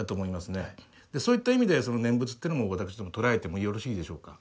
そういった意味でその念仏っていうのも私ども捉えてもよろしいでしょうか。